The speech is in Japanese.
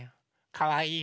かわいいよ。